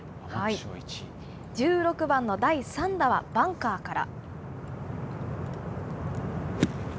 １６番の第３打はバンカーから。